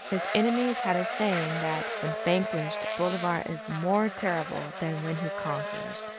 His enemies had a saying that "when vanquished Bolivar is more terrible than when he conquers."